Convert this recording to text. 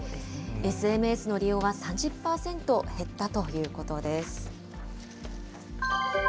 ＳＭＳの利用は３０％減ったということです。